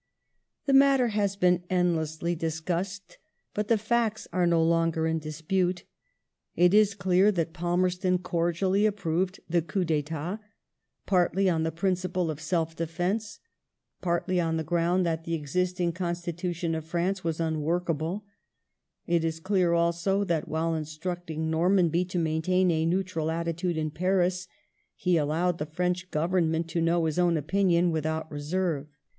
The matter has been endlessly discussed, but the facts are no longer in dispute. It is clear that Palmerston cordially approved the coup d'etat — partly on the principle of self defence, partly on the gi'ound that the existing constitution of France was unwork able ; it is clear also that, while instructing Normanby to maintain a neutral attitude in Paris, he allowed the French Government to know his own opinion without reserve.